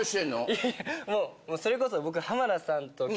いやいやもうそれこそ僕。